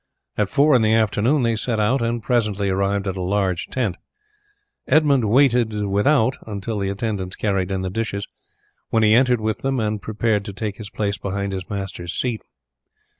At four in the afternoon they set out and presently arrived at a large tent. Edmund waited without until the attendants carried in the dishes, when he entered with them and prepared to take his place behind his master's seat.